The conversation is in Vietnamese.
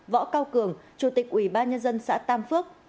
võ cao cường chủ tịch ủy ban nhân dân xã tam phước